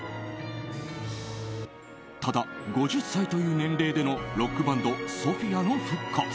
ただ、５０歳という年齢でのロックバンドＳＯＰＨＩＡの復活。